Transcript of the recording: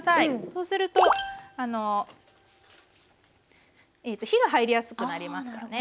そうするとあの火が入りやすくなりますからね。